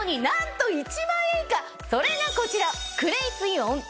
それがこちら。